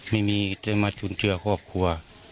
ไม่มีจะมาจุนเชื่อครอบครัว